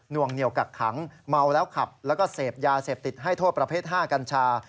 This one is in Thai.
วงเหนียวกักขังเมาแล้วขับแล้วก็เสพยาเสพติดให้โทษประเภท๕กัญชา